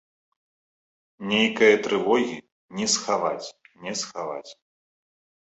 Нейкае трывогі не схаваць, не схаваць.